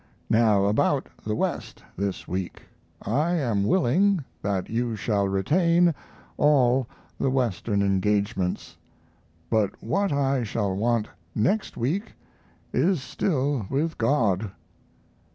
Now about the West this week, I am willing that you shall retain all the Western engagements. But what I shall want next week is still with God.